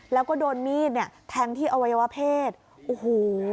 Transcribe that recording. แล้วก็โดนมีดเนี่ยแทงที่อวัยวะเพศโอ้โห